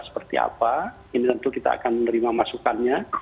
seperti apa ini tentu kita akan menerima masukannya